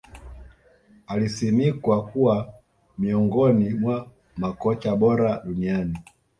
Alisimikwa kuwa miongoni mwa makocha bora duniani